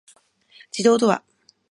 自動ドア